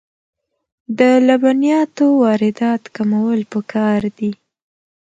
د لبنیاتو واردات کمول پکار دي